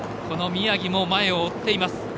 宮城も前を追っています。